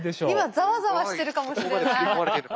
今ザワザワしてるかもしれない。